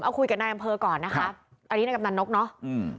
เอาคุยกับนายอำเภอก่อนนะคะอันนี้นายกำนันนกเนอะอืม